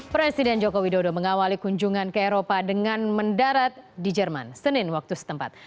presiden joko widodo mengawali kunjungan ke eropa dengan mendarat di jerman senin waktu setempat